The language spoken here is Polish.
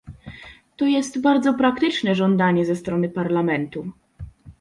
To jest bardzo praktyczne żądanie ze strony Parlamentu